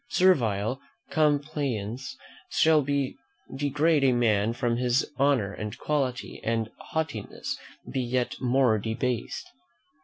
Servile complaisance shall degrade a man from his honour and quality, and haughtiness be yet more debased.